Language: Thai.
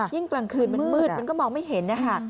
ยิ่งกลางคืนมันมืดมันก็มองไม่เห็น